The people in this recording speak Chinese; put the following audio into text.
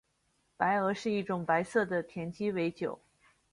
白俄是一种白色的甜鸡尾酒。